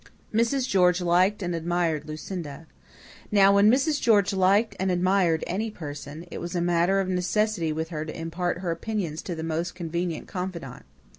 Mrs. George liked and admired Lucinda. Now, when Mrs. George liked and admired any person, it was a matter of necessity with her to impart her opinions to the most convenient confidant.